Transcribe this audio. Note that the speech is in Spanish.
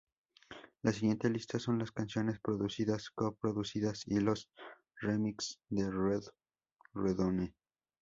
La siguiente lista son las canciones producidas, co-producidas y los remixes de RedOne.